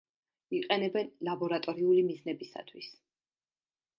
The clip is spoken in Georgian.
იყენებენ ლაბორატორიული მიზნებისათვის.